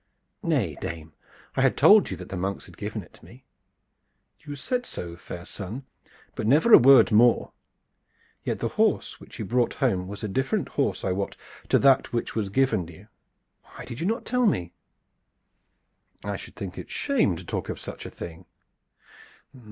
"Nay, dame; I had told you that the monks had given it to me." "You said so, fair son, but never a word more. Yet the horse which you brought home was a very different horse I wot, to that which was given you. Why did you not tell me?" "I should think it shame to talk of such a thing."